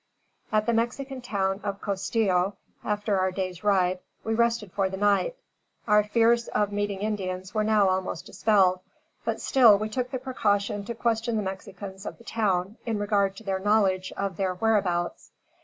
At the Mexican town of Costillo, after our day's ride, we rested for the night. Our fears of meeting Indians were now almost dispelled; but still, we took the precaution to question the Mexicans of the town in regard to their knowledge of their whereabouts.